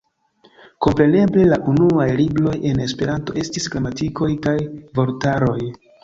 Kompreneble la unuaj libroj en Esperanto estis gramatikoj kaj vortaroj.